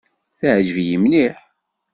Teɛǧeb-iyi mliḥ.